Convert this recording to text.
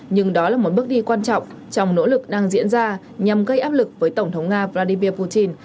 nhưng đó là một bước đi quan trọng trong nỗ lực đang diễn ra nhằm gây áp lực với tổng thống nga vladimir putin